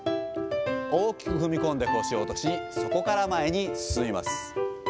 大きく踏み込んで腰を落とし、そこから前に進みます。